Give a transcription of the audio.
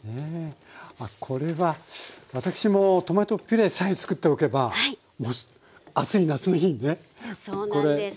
まあこれは私もトマトピュレさえ作っておけば暑い夏の日にねそうなんです。